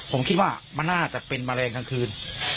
ผมคิดว่ามันน่าจะเป็นแมลงกลางคืน